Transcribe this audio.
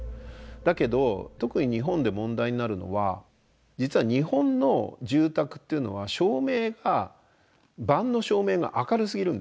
だけど特に日本で問題になるのは実は日本の住宅っていうのは照明が晩の照明が明るすぎるんですね。